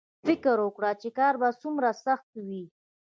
فکر وکړه چې کار به څومره سخت وي